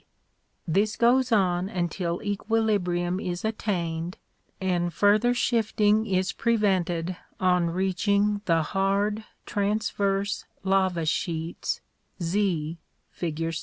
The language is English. This goes on until equilibrium is attained and further shifting is prevented on reaching the hard transverse lava sheets, Z, fig.